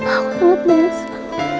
aku sangat menyesal